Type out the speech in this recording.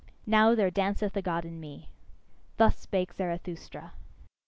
Now there danceth a God in me. Thus spake Zarathustra.